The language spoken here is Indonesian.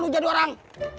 udah udah dua orang